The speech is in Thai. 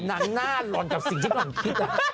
หนังหน้าร้อนกับสิ่งที่คุณคิดนะ